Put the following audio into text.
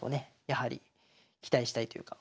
やはり期待したいというか。